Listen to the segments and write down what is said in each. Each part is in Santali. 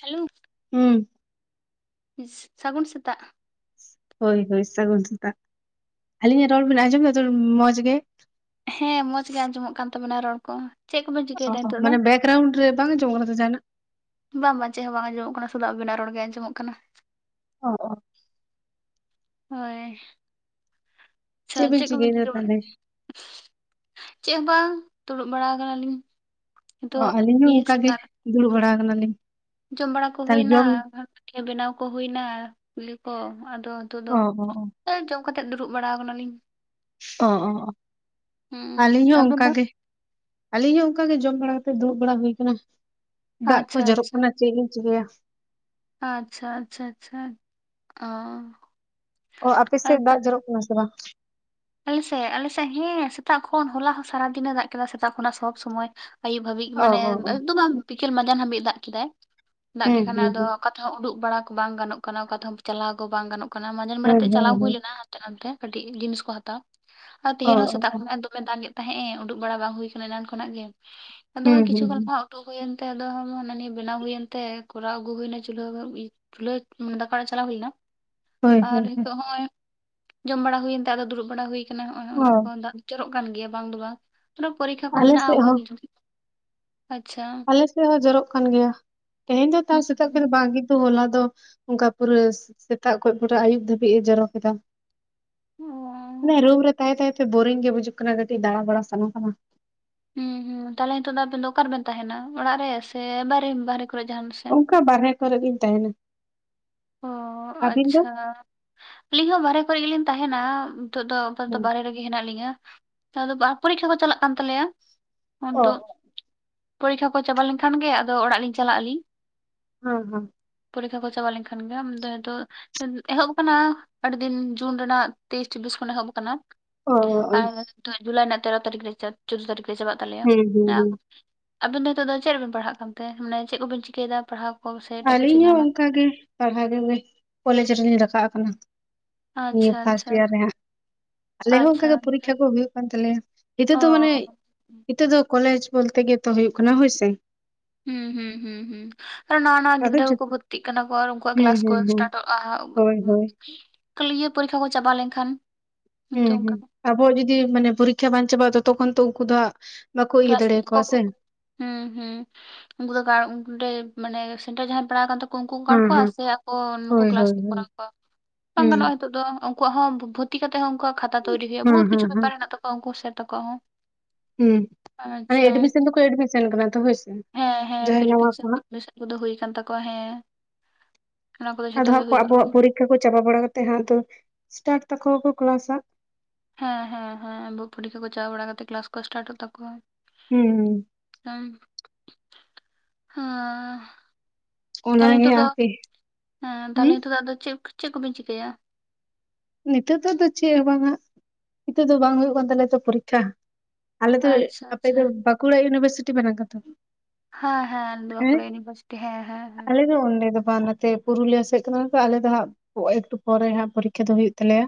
ᱦᱮᱞᱳ ᱦᱩᱸ ᱥᱟᱹᱜᱩᱱ ᱥᱮᱛᱟᱜ ᱦᱳᱭ ᱦᱳᱭ ᱥᱟᱹᱜᱩᱱ ᱥᱟᱛᱟᱜ ᱟᱹᱞᱤᱧᱟᱜ ᱨᱚᱲ ᱵᱮᱱ ᱟᱸᱡᱚᱢ ᱢᱮ ᱫᱚ ᱢᱚᱸᱡᱽ ᱜᱮ ᱦᱮᱸ ᱢᱚᱸᱡᱽ ᱜᱮ ᱟᱸᱡᱚᱢᱚᱜ ᱠᱟᱱ ᱛᱟᱵᱚᱱᱟ ᱨᱚᱲ ᱠᱚ ᱪᱮᱫ ᱠᱚᱵᱮᱱ ᱪᱤᱠᱟᱹᱭᱮᱫᱟ ᱚ ᱱᱤᱛᱚᱜ ᱫᱚ ᱢᱟᱱᱮ ᱵᱮᱭᱜᱨᱚᱣᱩᱱᱰ ᱨᱮ ᱵᱟᱝ ᱟᱸᱡᱚᱢᱚᱜ ᱠᱟᱱᱟ ᱥᱮ ᱡᱟᱦᱟᱸᱱᱟᱜ ᱵᱟᱝ ᱵᱟᱝ ᱪᱮᱫ ᱦᱚᱸ ᱵᱟᱝ ᱟᱸᱡᱚᱢᱚᱜ ᱠᱟᱱᱟ ᱥᱩᱫᱩ ᱟᱵᱤᱱᱟᱜ ᱨᱚᱲ ᱜᱮ ᱟᱸᱡᱚᱢᱚᱜ ᱠᱟᱱᱟ᱾ ᱚ ᱦᱚ ᱦᱳᱭ ᱟᱪᱪᱷᱟ ᱵᱤᱱ ᱪᱮᱫ ᱠᱚᱵᱤᱱ ᱪᱤᱠᱟᱹᱭᱮᱫᱟ ᱪᱤᱠᱟᱹ ᱛᱟᱦᱚᱞᱮ? ᱵᱟᱲᱟᱭᱮᱜᱼᱟ ᱪᱮᱫ ᱦᱚᱸ ᱵᱟᱝ ᱫᱩᱲᱩᱵ ᱵᱟᱲᱟ ᱠᱟᱱᱟ ᱞᱤᱧ ᱚ ᱟᱹᱞᱤᱧ ᱦᱚᱸ ᱚᱱᱠᱟ ᱜᱤ ᱫᱩᱲᱩᱵ ᱵᱟᱲᱟ ᱠᱟᱱᱟ ᱞᱤᱧ ᱡᱚᱢ ᱵᱟᱲᱟ ᱠᱚ ᱦᱩᱭᱱᱟ ᱜᱷᱟᱱ ᱯᱤᱴᱷᱟᱹ ᱵᱮᱱᱟᱣ ᱠᱚ ᱦᱩᱭᱱᱟ ᱠᱩᱞᱤ ᱠᱚᱢ ᱟᱫᱚ ᱱᱤᱛᱳ ᱫᱚ ᱚ ᱚ ᱱᱚᱜ-ᱚᱭ ᱡᱚᱢ ᱠᱟᱛᱮᱫ ᱫᱩᱲᱩᱵ ᱵᱟᱲᱟᱣ ᱠᱟᱱᱟ ᱞᱤᱧ ᱚ ᱚ ᱟᱹᱞᱤᱧ ᱦᱚᱸ ᱟᱵᱮᱱ ᱫᱚ ᱚᱝᱠᱟᱜ ᱜᱮ ᱟᱹᱞᱤᱧ ᱦᱚᱸ ᱚᱝᱠᱟ ᱜᱮ ᱡᱚᱢ ᱵᱟᱲᱟ ᱠᱟᱛᱮ ᱫᱩᱲᱩᱵ ᱵᱟᱲᱟ ᱦᱩᱭ ᱠᱟᱱᱟ ᱫᱟᱜ ᱠᱚ ᱟᱪᱪᱷᱟ ᱡᱚᱨᱚᱜ ᱟᱪᱪᱷᱟ ᱠᱟᱱᱟ᱾ ᱪᱮᱫ ᱞᱤᱧ ᱪᱤᱠᱟᱹᱭᱟ᱾ ᱟᱪᱪᱷᱟ ᱟᱪᱪᱷᱟ ᱟᱪᱪᱷᱟ ᱚ ᱚ ᱟᱯᱮ ᱥᱮᱫ ᱫᱟᱜ ᱡᱚᱨᱚᱜ ᱠᱟᱱᱟ ᱥᱮ ᱵᱟᱝ? ᱟᱞᱮ ᱥᱮᱫ ᱟᱞᱮ ᱥᱮᱫ ᱦᱮᱸ ᱥᱮᱛᱟᱜ ᱠᱷᱚᱱ ᱦᱚᱞᱟ ᱦᱚᱸ ᱥᱟᱨᱟ ᱫᱤᱱᱮ ᱫᱟᱜ ᱠᱮᱫᱟ ᱥᱮᱛᱟᱜ ᱠᱷᱚᱱᱟᱜ ᱥᱚᱵᱽ ᱥᱚᱢᱚᱭ ᱟᱹᱭᱩᱵ ᱦᱟᱹᱵᱤᱡ ᱚ ᱢᱟᱱᱮ ᱚ ᱚ ᱟᱹᱭᱩᱵ ᱫᱚ ᱵᱟᱝ ᱵᱤᱠᱮᱞ ᱢᱟᱡᱟᱱ ᱦᱟᱹᱵᱤᱡ ᱫᱟᱜ ᱠᱮᱫᱟᱭ ᱫᱟᱜ ᱠᱮᱜ ᱦᱩᱸ ᱠᱷᱟᱱᱮ ᱦᱩᱸ ᱟᱫᱚ ᱦᱩᱸ ᱛᱷᱮ ᱦᱚᱸ ᱩᱰᱩᱜ ᱵᱟᱲᱟ ᱠᱚ ᱵᱟᱝ ᱜᱟᱱᱚᱜ ᱠᱟᱱᱟ ᱚᱠᱟ ᱛᱮᱦᱚᱸ ᱪᱟᱞᱟᱣ ᱠᱚ ᱵᱟᱝ ᱜᱟᱱᱚᱜ ᱠᱟᱱᱟ ᱢᱟᱡᱟᱱ ᱵᱮᱲᱟ ᱦᱳᱭ ᱛᱮᱜ ᱦᱳᱭ ᱪᱟᱞᱟᱣ ᱠᱚ ᱦᱩᱭ ᱦᱳᱭ ᱞᱮᱱᱟ᱾ ᱛᱮᱱᱚᱢ ᱠᱟᱹᱴᱤᱡ ᱡᱤᱱᱤᱥ ᱠᱚ ᱦᱟᱛᱟᱣ ᱟᱨ ᱚ ᱛᱤᱦᱤᱱ ᱦᱚᱸ ᱚ ᱥᱮᱛᱟᱜ ᱚ ᱠᱷᱚᱱ ᱫᱚ ᱫᱚᱢᱮ ᱫᱟᱜ ᱮᱫ ᱛᱟᱦᱮᱸᱜ ᱮᱸ ᱩᱰᱩᱠ ᱵᱟᱲᱟ ᱵᱟᱝ ᱦᱩᱭ ᱠᱟᱱᱟ ᱮᱱᱟᱱ ᱠᱷᱚᱱᱟᱜ ᱜᱮ ᱟᱫᱚ ᱦᱩᱸ ᱠᱤᱪᱷᱩ ᱦᱩᱸ ᱜᱟᱱ ᱦᱩᱸ ᱠᱚ ᱦᱟᱸᱜ ᱩᱰᱩᱠ ᱦᱩᱭᱮᱱ ᱛᱮ ᱟᱫᱚ ᱦᱚᱸ ᱦᱟᱱᱟ ᱱᱤᱭᱟᱹ ᱵᱮᱱᱟᱣ ᱦᱩᱭᱮᱱ ᱛᱮ ᱠᱚᱨᱟᱣ ᱟᱹᱜᱩ ᱦᱩᱭᱱᱟ ᱪᱩᱞᱦᱟᱹ ᱪᱩᱞᱟᱹᱢᱟᱱᱮ ᱫᱟᱠᱟ ᱚᱲᱟᱜ ᱪᱟᱞᱟᱣ ᱦᱩᱭ ᱞᱮᱱᱟ᱾ ᱦᱳᱭ ᱟᱨ ᱦᱳᱭ ᱦᱳᱭ ᱦᱤᱛᱳᱜ ᱦᱚᱜᱼᱚᱭ ᱡᱚᱢ ᱵᱟᱲᱟ ᱦᱩᱭᱮᱱ ᱛᱮ ᱟᱫᱚ ᱫᱩᱲᱩᱵ ᱵᱟᱲᱟ ᱦᱩᱭ ᱠᱟᱱᱟ ᱦᱚᱸᱜᱼᱚᱭ ᱚ ᱚᱱᱟ ᱠᱚ ᱦᱚᱸ ᱫᱟᱜ ᱡᱚᱨᱚᱜ ᱠᱟᱱ ᱜᱮᱭᱟ ᱵᱟᱝ ᱫᱚ ᱵᱟᱝ ᱛᱤᱱᱟᱹᱜ ᱯᱚᱨᱤᱠᱠᱷᱟ ᱠᱚ ᱟᱞᱮ ᱢᱮᱱᱟᱜᱼᱟ ᱥᱮᱫ ᱚᱱᱠᱟ ᱦᱚᱸ ᱜᱮ ᱡᱷᱩᱫᱤ ᱟᱪᱪᱷᱟ᱾ ᱟᱞᱮ ᱥᱮᱫ ᱦᱚᱸ ᱡᱚᱨᱚᱜ ᱠᱟᱱ ᱜᱮᱭᱟ ᱛᱮᱦᱮᱧ ᱫᱚ ᱛᱟᱣ ᱦᱩᱸ ᱥᱮᱛᱟᱜ ᱠᱷᱚᱱ ᱦᱩᱸ ᱫᱚ ᱵᱟᱝ ᱜᱤ ᱛᱚ ᱦᱚᱞᱟ ᱫᱚ ᱚᱝᱠᱟ ᱯᱩᱨᱟᱹ ᱥᱮᱛᱟᱜ ᱠᱷᱚᱡ ᱯᱩᱨᱟᱹ ᱟᱹᱭᱩᱵ ᱫᱷᱟᱹᱵᱤᱡ ᱮ ᱡᱚᱨᱚ ᱠᱮᱫᱟ᱾ ᱚ ᱢᱟᱱᱮ ᱨᱩᱢ ᱨᱮ ᱛᱟᱦᱮ ᱛᱟᱦᱮ ᱛᱮ ᱵᱳᱨᱤᱝ ᱜᱮ ᱵᱩᱡᱩᱜ ᱠᱟᱱᱟ ᱠᱟᱹᱴᱤᱡ ᱫᱟᱬᱟ ᱵᱟᱲᱟ ᱥᱟᱱᱟ ᱠᱟᱱᱟ᱾ ᱦᱩᱸ ᱦᱩᱸ ᱛᱟᱦᱞᱮ ᱱᱤᱛᱚᱜ ᱫᱚ ᱟᱵᱮᱱ ᱫᱚ ᱚᱠᱟᱨᱮ ᱵᱮᱱ ᱛᱟᱦᱮᱱᱟ ᱚᱲᱟᱜ ᱨᱮ ᱥᱮ ᱵᱟᱨᱮᱢ ᱵᱟᱨᱦᱮ ᱠᱚᱨᱮ ᱡᱟᱦᱟᱱ ᱥᱮᱫ? ᱚᱠᱟ ᱵᱟᱨᱦᱮ ᱠᱚᱨᱮ ᱜᱤᱧ ᱛᱟᱦᱮᱱᱟ᱾ ᱚ ᱟᱹᱵᱤᱱ ᱫᱚ ᱟᱪᱪᱷᱟ ᱟᱹᱞᱤᱧ ᱦᱚᱸ ᱵᱟᱦᱨᱮ ᱠᱚᱨᱮ ᱜᱮᱞᱤᱧ ᱛᱟᱦᱮᱱᱟ᱾ ᱱᱤᱛᱚᱜ ᱫᱚ ᱟᱯᱟᱛᱚ ᱦᱮᱸ ᱵᱟᱦᱨᱮ ᱨᱮᱜᱮ ᱦᱮᱱᱟᱜ ᱞᱤᱧᱟ ᱦᱮᱸ ᱵᱟ ᱯᱚᱨᱤᱠᱷᱟ ᱠᱚ ᱪᱟᱞᱟᱜ ᱠᱟᱱ ᱛᱟᱞᱮᱭᱟ᱾ ᱚ ᱩᱱᱛᱚᱜ ᱯᱚᱨᱤᱠᱠᱷᱟ ᱠᱚ ᱪᱟᱵᱟ ᱞᱮᱱ ᱠᱷᱟᱱ ᱜᱮ ᱟᱫᱚ ᱚᱲᱟᱜ ᱞᱤᱧ ᱪᱟᱞᱟᱜ ᱟᱹᱞᱤᱧ ᱦᱩᱸ ᱦᱩᱸ ᱯᱚᱨᱤᱠᱷᱟ ᱠᱚ ᱪᱟᱵᱟ ᱞᱮᱱᱠᱷᱟᱱ ᱜᱮ ᱟᱢ ᱫᱚ ᱦᱤᱛᱚᱜ ᱮᱦᱚᱵ ᱟᱠᱟᱱᱟ ᱟᱹᱰᱤ ᱫᱤᱱ ᱡᱩᱱ ᱨᱮᱱᱟᱜ ᱛᱮᱭᱤᱥ ᱪᱩᱵᱤᱥ ᱠᱷᱚᱱ ᱮᱦᱚᱵ ᱟᱠᱟᱱᱟ᱾ ᱚ ᱚ ᱟᱨ ᱱᱤᱛᱚᱜ ᱡᱩᱞᱟᱭ ᱨᱮᱱᱟᱜ ᱛᱮᱨᱚ ᱪᱚᱣᱫᱟᱹ ᱛᱟᱹᱨᱤᱠᱷ ᱨᱮ ᱪᱟᱵᱟᱜ ᱛᱟᱞᱮᱭᱟ᱾ ᱦᱮᱸ ᱦᱮᱸ ᱦᱮᱸ ᱟᱵᱤᱱ ᱫᱚ ᱱᱤᱛᱚᱜ ᱫᱚ ᱪᱮᱫ ᱨᱮᱵᱮᱱ ᱯᱟᱲᱦᱟᱜ ᱠᱟᱱ ᱛᱮ ᱢᱟᱱᱮ ᱪᱮᱫ ᱠᱚᱵᱮᱱ ᱪᱤᱠᱟᱹᱭ ᱫᱟ ᱯᱟᱲᱦᱟᱣ ᱠᱚ ᱥᱮ ᱮᱴᱟᱜ ᱠᱤᱪᱷᱩ ᱟᱹᱞᱤᱧ ᱦᱚᱸ ᱡᱟᱦᱟᱱᱟᱜ ᱚᱱᱠᱟ ᱜᱮ ᱯᱟᱲᱦᱟᱣ ᱠᱚ ᱜᱮ ᱠᱚᱞᱮᱡᱽ ᱨᱮᱞᱤᱧ ᱨᱟᱠᱟᱵ ᱟᱠᱟᱱᱟ᱾ ᱱᱤᱭᱟᱹ ᱟᱪᱪᱷᱟ ᱯᱷᱟᱥᱴ ᱟᱪᱪᱷᱟ ᱮᱭᱟᱨ ᱨᱮᱦᱟᱸᱜ ᱟᱞᱮ ᱦᱚᱸ ᱚᱱᱠᱟ ᱟᱪᱪᱷᱟ ᱜᱮ ᱟᱪᱪᱷᱟ ᱯᱚᱨᱤᱠᱠᱷᱟ ᱠᱚ ᱦᱩᱭᱩᱜ ᱠᱟᱱ ᱛᱟᱞᱮᱭᱟ ᱦᱤᱛᱚᱜ ᱚ ᱫᱚ ᱢᱟᱱᱮ ᱦᱤᱛᱚᱜ ᱫᱚ ᱠᱚᱞᱮᱡᱽ ᱵᱚᱞ ᱛᱮ ᱜᱮ ᱛᱚ ᱦᱩᱭᱩᱜ ᱠᱟᱱᱟ ᱦᱳᱭ ᱥᱮ ᱦᱩᱸ ᱦᱩᱸ ᱦᱩᱸ ᱦᱩᱸ ᱟᱨ ᱱᱟᱣᱟ ᱱᱟᱣᱟ ᱟᱫᱚ ᱜᱤᱫᱽᱨᱟᱹ ᱠᱚ ᱠᱩ ᱡᱚᱛᱚ ᱵᱷᱩᱨᱛᱤᱜ ᱠᱟᱱᱟ ᱠᱚ ᱟᱨ ᱩᱱᱠᱩᱣᱟᱜ ᱦᱮᱸ ᱠᱞᱟᱥ ᱠᱚ ᱦᱮᱸ ᱦᱮᱸ ᱥᱴᱟᱴ ᱦᱳᱭ ᱦᱳᱭ [unintelligible] ᱤᱭᱟᱹ ᱯᱚᱨᱤᱠᱠᱷᱟ ᱠᱚ ᱪᱟᱵᱟ ᱞᱮᱱ ᱠᱷᱟᱱ ᱦᱩᱸ ᱦᱩᱸ ᱟᱵᱚᱣᱟᱜ ᱡᱚᱫᱤ ᱢᱟᱱᱮ ᱯᱚᱨᱤᱠᱠᱷᱟ ᱵᱟᱝ ᱪᱟᱵᱟᱜᱼᱟ ᱛᱚᱛᱚ ᱠᱷᱚᱱ ᱛᱚ ᱩᱱᱠᱩ ᱫᱚ ᱦᱟᱸᱜ ᱵᱟᱠᱚ ᱤᱭᱟᱹ ᱠᱞᱟᱥ ᱠᱚᱼᱼ ᱫᱟᱲᱮᱭᱟᱠᱚᱣᱟ ᱥᱮ ᱦᱩᱸ ᱦᱩᱸ ᱩᱱᱠᱩ [unintelligible] ᱫᱚ ᱚᱸᱰᱮ ᱢᱟᱱᱮ ᱥᱮᱱᱴᱟᱨ ᱡᱟᱦᱟᱸ ᱟᱭ ᱯᱟᱲᱟᱣ ᱠᱟᱱ ᱛᱟᱠᱼᱼ ᱩᱱᱠᱩ ᱠᱚ ᱜᱟᱸᱬ ᱦᱩᱸ ᱠᱚᱣᱟ ᱦᱩᱸ ᱥᱮ ᱟᱠᱚ ᱱᱩᱠᱩ ᱦᱳᱭ ᱠᱮᱞᱟᱥ ᱦᱳᱭ ᱠᱚ ᱦᱳᱭ ᱠᱚᱨᱟᱣ ᱠᱚᱣᱟ ᱠᱚ ᱵᱟᱝ ᱦᱩᱸ ᱜᱟᱱᱚᱜᱼᱟ ᱦᱤᱛᱚᱜ ᱫᱚᱼᱼ ᱩᱱᱠᱩᱣᱟᱜ ᱦᱚᱸ ᱵᱷᱩ ᱵᱷᱚᱨᱛᱤ ᱠᱟᱛᱮ ᱦᱚᱸ ᱩᱱᱠᱩᱣᱟᱜ ᱠᱷᱟᱛᱟ ᱛᱚᱭᱨᱤ ᱦᱩᱭᱩᱜᱼᱟ ᱦᱩᱸ ᱵᱩᱦᱩᱛ ᱦᱩᱸ ᱠᱤᱪᱷᱩ ᱦᱩᱸ ᱵᱮᱯᱟᱨ ᱦᱮᱱᱟᱜ ᱛᱟᱠᱚᱣᱟ ᱩᱱᱠᱩ ᱥᱮᱨ ᱛᱟᱠᱚᱣᱟᱜ ᱦᱚᱸᱼᱼ ᱦᱮᱸ ᱢᱟᱱᱮ ᱮᱰᱢᱤᱥᱚᱱ ᱫᱚᱠᱚ ᱮᱰᱢᱤᱥᱚᱱ ᱠᱟᱱᱟ ᱛᱚ ᱦᱳᱭ ᱥᱮ ᱡᱟᱸᱦᱟᱭ ᱱᱟᱣᱟ ᱠᱚ ᱦᱟᱸᱜ ᱩᱱᱠᱩ ᱫᱚ ᱦᱩᱭ ᱠᱟᱱ ᱛᱟᱠᱚᱣᱟ ᱦᱮᱸ ᱚᱱᱟ ᱠᱚᱫᱚ ᱡᱷᱚᱛᱚ ᱟᱫᱚ ᱜᱮ ᱦᱟᱸᱜ ᱠᱚ ᱦᱩᱭ ᱠᱟᱱᱟ ᱟᱵᱚᱣᱟᱜ ᱯᱚᱨᱤᱠᱷᱟ ᱠᱚ ᱪᱟᱵᱟ ᱵᱟᱲᱟ ᱠᱟᱛᱮᱫ ᱦᱟᱸᱜ ᱟᱫᱚ ᱥᱴᱟᱴ ᱛᱟᱠᱚᱣᱟ ᱠᱚ ᱠᱞᱟᱥ ᱦᱟᱸᱜ ᱦᱮᱸ ᱦᱮᱸ ᱦᱮᱸ ᱟᱵᱚ ᱯᱚᱨᱤᱠᱠᱷᱟ ᱠᱚ ᱪᱟᱵᱟ ᱵᱟᱲᱟ ᱠᱟᱛᱮᱜ ᱠᱞᱟᱥ ᱠᱚ ᱥᱴᱟᱴᱚᱜ ᱛᱟᱠᱚᱣᱟ ᱦᱩᱸ ᱦᱩᱸ ᱦᱮᱸ ᱦᱟᱸ ᱛᱟᱦᱞᱮ ᱚᱱᱟᱜᱮ ᱱᱤᱛᱳᱜ ᱫᱚ ᱦᱟᱯᱮ ᱦᱮᱸ ᱛᱟᱞᱦᱮ ᱦᱩᱸ ᱱᱤᱛᱳᱜ ᱫᱚ ᱟᱫᱚ ᱪᱮᱫ ᱪᱮᱫ ᱠᱚ ᱵᱤᱱ ᱪᱤᱠᱟᱹᱭᱟ ᱱᱤᱛᱳ ᱫᱚ ᱫᱚ ᱪᱮᱫ ᱦᱚᱸ ᱵᱟᱝᱟ ᱱᱤᱛᱚᱜ ᱫᱚ ᱵᱟᱝ ᱦᱩᱭᱩᱜ ᱠᱟᱱ ᱛᱟᱞᱮᱭᱟ ᱛᱚ ᱯᱚᱨᱤᱠᱠᱷᱟ ᱟᱞᱮ ᱫᱚ ᱟᱪᱪᱷᱟ ᱟᱯᱮ ᱟᱪᱪᱷᱟ ᱫᱚ ᱵᱟᱸᱠᱩᱲᱟ ᱤᱭᱩᱱᱤᱵᱷᱟᱨᱥᱤᱴᱤ [unintelligible] ᱦᱮᱸ ᱦᱮᱸ ᱵᱟᱸᱠᱩᱲᱟ ᱤᱭᱩᱱᱤᱵᱷᱟᱨᱥᱤᱴᱤ ᱦᱮᱸ ᱦᱮᱸ ᱦᱮᱸᱼᱼ [unintelligible] ᱚᱸᱰᱮ ᱫᱚᱼᱼ [unintelligible] ᱱᱟᱛᱮ ᱯᱩᱨᱩᱞᱤᱭᱟᱹ ᱥᱮᱫ ᱠᱟᱱᱟ ᱛᱚ ᱟᱞᱮ ᱫᱚ ᱦᱟᱸᱜ ᱮᱠᱴᱩ ᱯᱚᱨᱮ ᱦᱟᱸᱜ ᱯᱚᱨᱤᱠᱠᱷᱟ ᱫᱚ ᱦᱩᱭᱩᱜ ᱛᱟᱞᱮᱭᱟ